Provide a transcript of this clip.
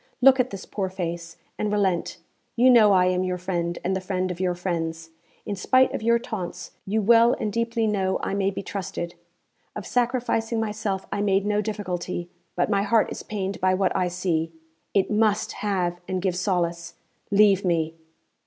Look at this poor face, and relent. You know I am your friend and the friend of your friends; in spite of your taunts you well and deeply know I may be trusted. Of sacrificing myself I made no difficulty, but my heart is pained by what I see. It must have and give solace. _Leave me!